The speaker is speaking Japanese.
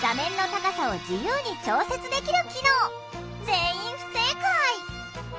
全員不正解！